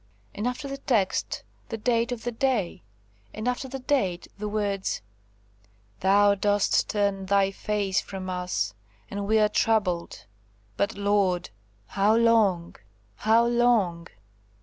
and after the text the date of the day, and after the date the words, "Thou dost turn Thy face from us, and we are troubled: but, Lord, how long, how long?"